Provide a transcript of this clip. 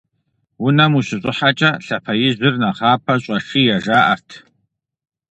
Унэм ущыщӀыхьэкӀэ лъапэ ижьыр нэхъапэ щӀэшие, жаӀэрт.